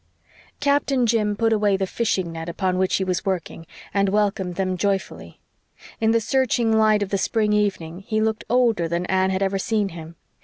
Captain Jim put away the fishing net upon which he was working, and welcomed them joyfully. In the searching light of the spring evening he looked older than Anne had ever seen him.